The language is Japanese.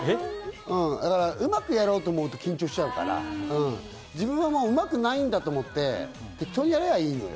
うまくやろうと思うと緊張しちゃうから、自分はうまくないんだと思って、適当にやればいいのよ。